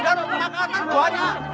dan penangkatan buahnya